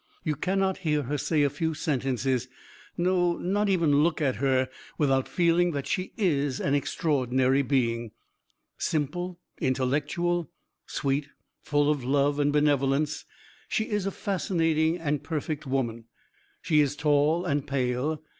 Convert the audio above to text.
You cannot hear her say a few sentences no, not even look at her, without feeling that she is an extraordinary being. Simple, intellectual, sweet, full of love and benevolence, she is a fascinating and perfect woman. She is tall and pale.